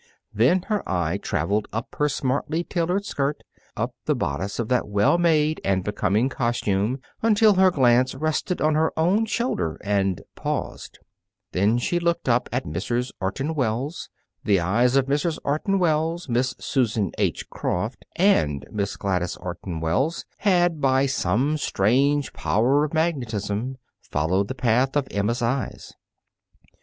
Then her eye traveled up her smartly tailored skirt, up the bodice of that well made and becoming costume until her glance rested on her own shoulder and paused. Then she looked up at Mrs. Orton Wells. The eyes of Mrs. Orton Wells, Miss Susan H. Croft, and Miss Gladys Orton Wells had, by some strange power of magnetism, followed the path of Emma's eyes.